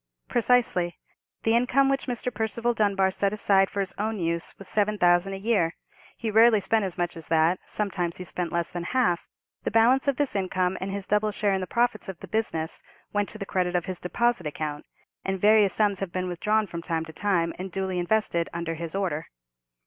"Precisely. The income which Mr. Percival Dunbar set aside for his own use was seven thousand a year. He rarely spent as much as that; sometimes he spent less than half. The balance of this income, and his double share in the profits of the business, went to the credit of his deposit account, and various sums have been withdrawn from time to time, and duly invested under his order."